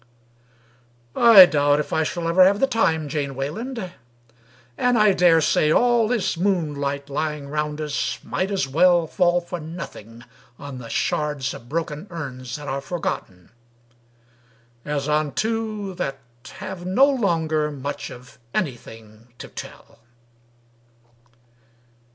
"I doubt if I shall ever have the time, Jane Wayland; And I dare say all this moonlight lying round us might as well Fall for nothing on the shards of broken urns that are forgotten, As on two that have no longer much of anything to tell."